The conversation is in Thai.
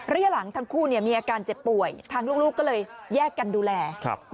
ระยะหลังทั้งคู่มีอาการเจ็บป่วยทางลูกก็เลยแยกกันดูแล